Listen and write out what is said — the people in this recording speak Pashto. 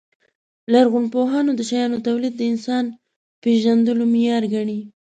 لرغونپوهان د شیانو تولید د انسان پېژندلو معیار ګڼي.